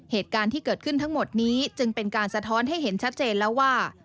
เหตุการณ์ที่เกิดขึ้นทั้งหมดนี้จึงเป็นการสะท้อนให้เห็นชัดเจนแล้วว่า